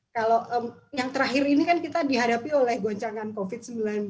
kalau yang terakhir ini kan kita dihadapi oleh goncangan covid sembilan belas